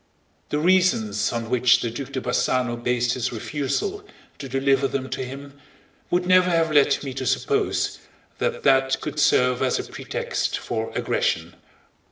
The reasons on which the Duc de Bassano based his refusal to deliver them to him would never have led me to suppose that that could serve as a pretext for aggression.